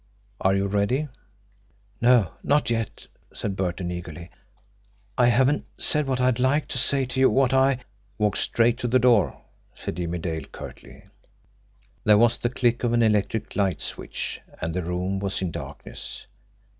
Are you ready?" "No; not yet," said Burton eagerly. "I haven't said what I'd like to say to you, what I " "Walk straight to the door," said Jimmie Dale curtly. There was the click of an electric light switch, and the room was in darkness.